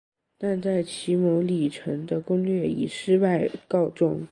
但在骑牟礼城的攻略以失败告终。